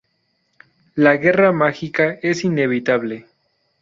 La guerra mágica es inevitable.